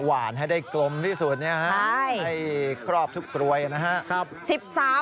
หวานให้ได้กลมที่สุดเนี่ยฮะให้ครอบทุกกลวยนะฮะ